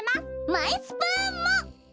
マイスプーンも！